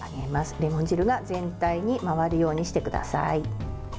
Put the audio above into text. レモン汁が全体に回るようにしてください。